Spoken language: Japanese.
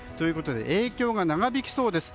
影響が長引きそうです。